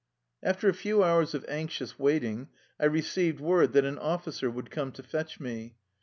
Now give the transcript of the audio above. " After a few hours of anxious waiting I re ceived word that an officer would come to fetch me.